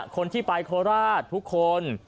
คนที่ไปโคราชทุกคน